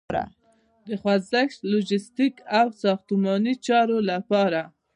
د خوځښت، لوژستیک او ساختماني چارو لپاره